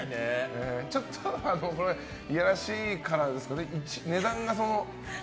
ちょっといやらしいですけど値段が。